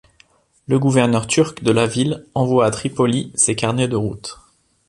Le gouverneur turc de la ville envoie à Tripoli ses carnets de route.